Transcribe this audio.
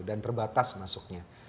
dan terbatas masuknya